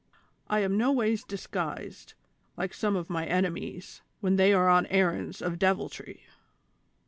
I am no ways disguised, like some of my ene mies, when they are on errands of deviltry.